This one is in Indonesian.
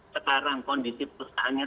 sekarang kondisi perusahaannya